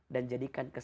dan jadikan kesabaran